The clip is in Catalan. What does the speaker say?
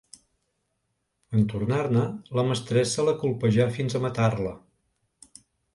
En tornar-ne, la mestressa la colpejà fins a matar-la.